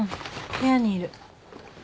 部屋にいる。